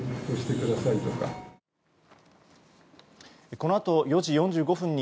このあと４時４５分に